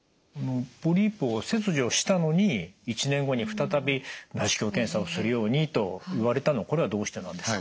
ポリープを切除したのに１年後に再び内視鏡検査をするようにと言われたのはこれはどうしてなんですか？